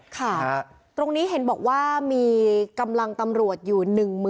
ค่ะตรงนี้เห็นบอกว่ามีกำลังตำรวจอยู่